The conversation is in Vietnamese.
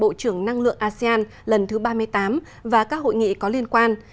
bộ trưởng năng lượng asean lần thứ ba mươi tám và các hội nghị có liên quan